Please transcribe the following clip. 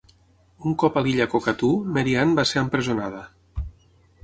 Un cop a l'illa Cockatoo, Mary Ann va ser empresonada.